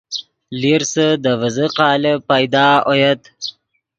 لیرسے دے ڤیزے قالب پیدا اویت